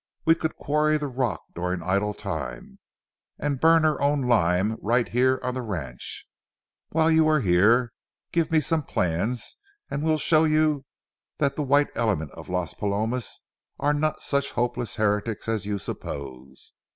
We could quarry the rock during idle time, and burn our own lime right here on the ranch. While you are here, give me some plans, and we'll show you that the white element of Las Palomas are not such hopeless heretics as you suppose.